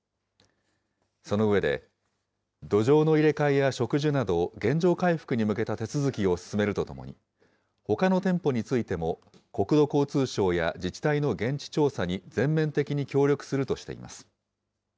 その上で、土壌の入れ替えや植樹など、原状回復に向けた手続きを進めるとともに、ほかの店舗についても、国土交通省や自治体の現地調査に全面的に協力するとしています。